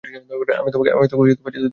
আমি তোকে যেতে দেব না।